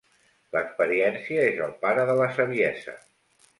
L'experiència és el pare de la saviesa.